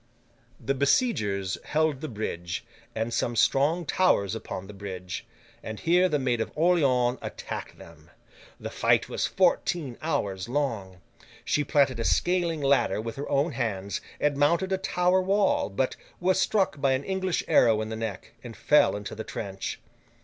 The besiegers held the bridge, and some strong towers upon the bridge; and here the Maid of Orleans attacked them. The fight was fourteen hours long. She planted a scaling ladder with her own hands, and mounted a tower wall, but was struck by an English arrow in the neck, and fell into the trench.